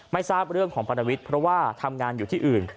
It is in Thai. ไม่ทราบเรื่องของปรณวิทย์เพราะว่าทำงานอยู่ที่อื่น